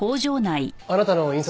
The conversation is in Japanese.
あなたの印刷